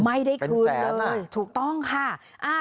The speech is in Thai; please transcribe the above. ไม่ได้คืนเลยถูกต้องค่ะ